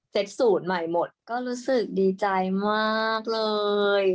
สูตรใหม่หมดก็รู้สึกดีใจมากเลย